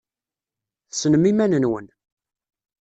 Tessnem iman-nwen.